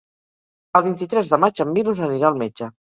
El vint-i-tres de maig en Milos anirà al metge.